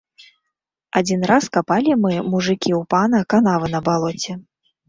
Адзін раз капалі мы, мужыкі, у пана канавы на балоце.